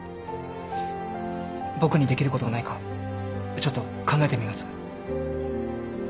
僕にできることがないかちょっと考えてみます。